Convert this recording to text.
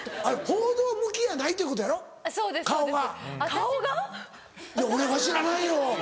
顔が⁉いや俺は知らないよ。